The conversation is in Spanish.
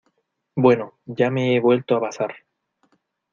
bueno, ya me he vuelto a pasar.